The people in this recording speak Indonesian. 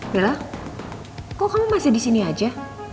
bel kok kamu masih disini aja